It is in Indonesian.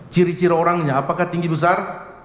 ciri ciri orangnya apakah tinggi besar